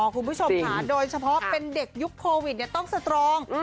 คุณผู้ชมค่ะโดยเฉพาะเป็นเด็กยุคโควิดต้องสตรอง